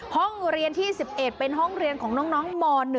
ห้องเรียนที่๑๑เป็นห้องเรียนของน้องม๑